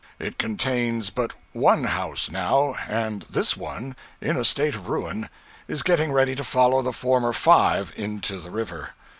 It contains but one house now, and this one, in a state of ruin, is getting ready to follow the former five into the river.